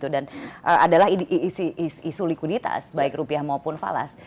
dan adalah isu likuiditas baik rupiah maupun falas